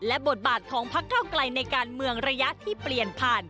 และบทบาทของพักเก้าไกลในการเมืองระยะที่เปลี่ยนผ่าน